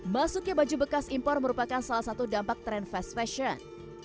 masuknya baju bekas impor merupakan salah satu dampak tren fast fashion